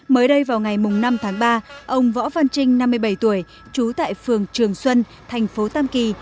mới đây vào ngày năm tháng ba ông võ văn trinh năm mươi bảy tuổi trú tại phường trường xuân thành phố tam kỳ